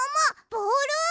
ボール！？